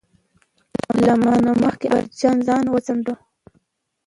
له ما نه مخکې اکبر جان ځان وڅانډه.